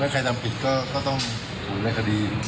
ว่าใครทำผิดก็ต้องห่วงรายคดี